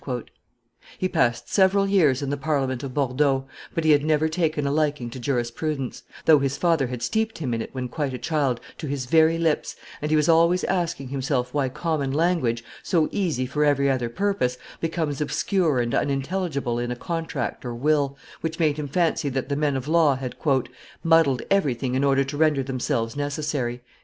He passed several years in the Parliament of Bordeaux, but "he had never taken a liking to jurisprudence, though his father had steeped him in it, when quite a child, to his very lips, and he was always asking himself why common language, so easy for every other purpose, becomes obscure and unintelligible in a contract or will, which made him fancy that the men of law had muddled everything in order to render themselves necessary."